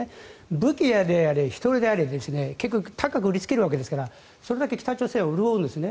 武器であれ人であれ結局高く売りつけるわけですからそれだけ北朝鮮は潤うんですね。